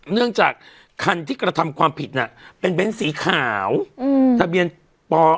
เนื่องจากคันที่กระทำความผิดน่ะเป็นเน้นสีขาวอืมทะเบียนป๖